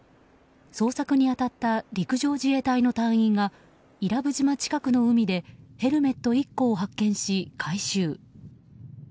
捜索に当たった陸上自衛隊の隊員が伊良部島近くの海でヘルメット１個を発見し回収。